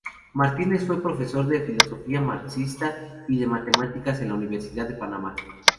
Martínez fue profesor de filosofía marxista y de matemáticas en la Universidad de Panamá.